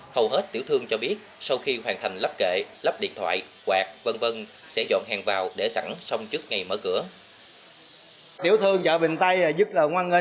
hầu hết tiểu thương cho biết sau khi hoàn thành lắp kệ lắp điện thoại quạt v v sẽ dọn hàng vào để sẵn xong trước ngày mở cửa